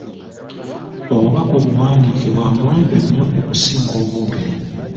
Obubaka obuwandiike bwa muwendo nnyo okusinga obwogere.